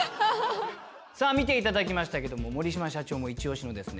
さあ見て頂きましたけども森島社長もイチオシのですね